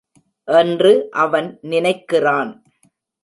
என்று அவன் நினைக்கிறான்.